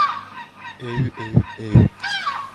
えうえうえう